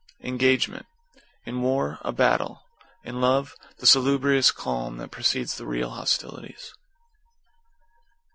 =ENGAGEMENT= In war, a battle. In love, the salubrious calm that precedes the real hostilities.